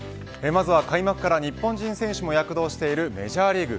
まずは開幕から日本人選手も躍動しているメジャーリーグ。